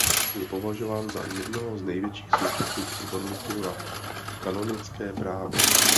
Je považován za jednoho z největších současných odborníků na kanonické právo.